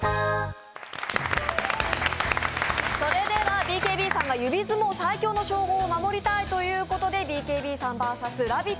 ＢＫＢさんが指相撲最強の称号を守りたいということでＢＫＢさんバーサス「ラヴィット！」